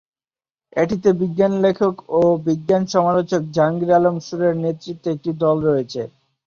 এটিতে বিজ্ঞান লেখক ও বিজ্ঞান সমালোচক জাহাঙ্গীর আলম সুরের নেতৃত্বে একটি দল রয়েছে।